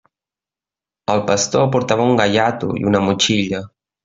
El pastor portava un gaiato i una motxilla.